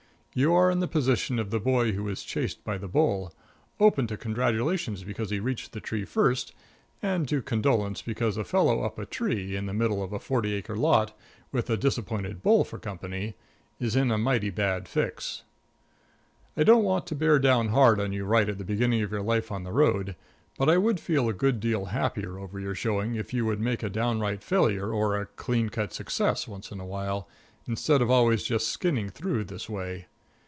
You are in the position of the boy who was chased by the bull open to congratulations because he reached the tree first, and to condolence because a fellow up a tree, in the middle of a forty acre lot, with a disappointed bull for company, is in a mighty bad fix. I don't want to bear down hard on you right at the beginning of your life on the road, but I would feel a good deal happier over your showing if you would make a downright failure or a clean cut success once in a while, instead of always just skinning through this way.